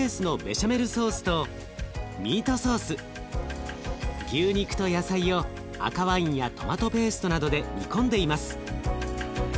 ミルクベースの牛肉と野菜を赤ワインやトマトペーストなどで煮込んでいます。